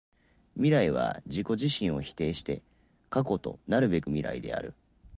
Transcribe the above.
未来は自己自身を否定して過去となるべく未来である。